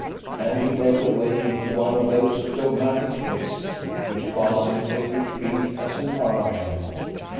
and he broke away into one of those dogmatic texts which pass in every creed as an argument.